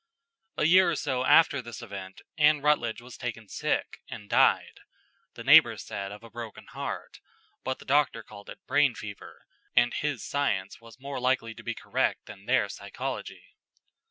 A year or so after this event Anne Rutledge was taken sick and died the neighbors said of a broken heart, but the doctor called it brain fever, and his science was more likely to be correct than their psychology.